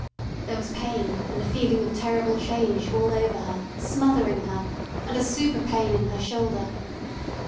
There was pain and a feeling of terrible change all over her, smothering her, and a super pain in her shoulder.